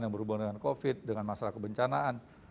yang berhubungan dengan covid dengan masalah kebencanaan